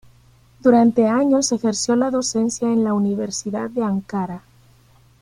Durante años ejerció la docencia en la Universidad de Ankara.